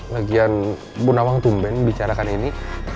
lagian bu nawang tumben membicarakan ini